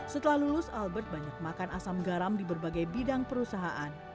setelah lulus albert banyak makan asam garam di berbagai bidang perusahaan